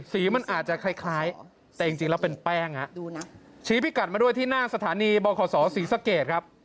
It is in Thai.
สีมันอาจจะคล้ายแต่จริงแล้วเป็นแป้งชี้พิกัดมาด้วยที่หน้าสถานีบขศรีสะเกดครับ